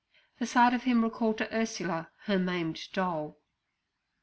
The sight of him recalled to Ursula her maimed doll.